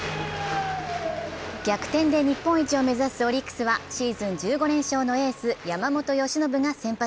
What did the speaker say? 逆転で日本一を目指すオリックスはシーズン１５連勝のエース・山本由伸が先発。